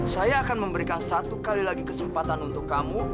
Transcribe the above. saya akan memberikan satu kali lagi kesempatan untuk kamu